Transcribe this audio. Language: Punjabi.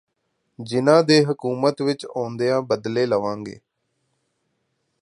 ਜਿਨ੍ਹਾ ਦੇ ਹਕੂਮਤ ਵਿੱਚ ਆਉਂਦਿਆ ਬਦਲੇ ਲਵਾਂਗੇ